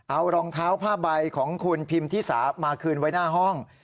เอารองเท้าผ้าใบของคุณพิมที่สามาคืนไว้หน้าห้อง